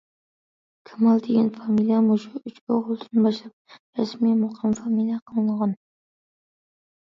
« كامال» دېگەن فامىلە مۇشۇ ئۈچ ئوغۇلدىن باشلاپ رەسمىي مۇقىم فامىلە قىلىنغان.